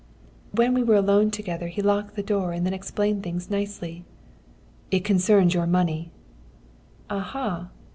"When we were alone together he locked the door and then explained things nicely. "'It concerns your money.' "'Aha!'